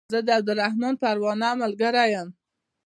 زه د عبدالرحمن پروانه ملګری يم